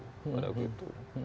pada waktu itu